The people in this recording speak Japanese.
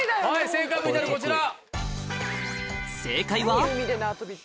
正解ＶＴＲこちら。